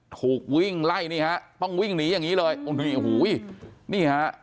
ถูกวิ่งไล่นี่ฮะต้องวิ่งหนีอย่างนี้เลยโอ้โหนี่ฮะ